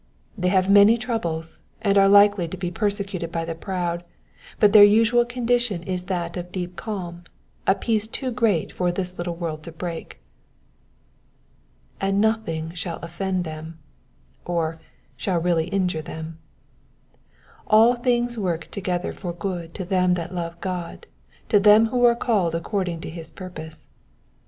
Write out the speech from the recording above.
They have many troubles, and are likely to be persecuted by the proud, but their usual condition is that of deep calm— a peace too great for this little world to break. ''''And nothing shall offend them,'''' or, '* shall really injure them.'* *' All things work together for good to them that love God, to them who are the called according to his purpose.'